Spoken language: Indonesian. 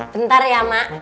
bentar ya mak